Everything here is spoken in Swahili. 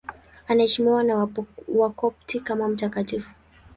Anaheshimiwa na Wakopti kama mtakatifu.